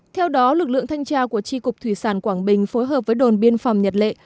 theo đó lực lượng thanh tra của tri cục thủy sản quảng bình phối hợp với đồn biên phòng nhật lệ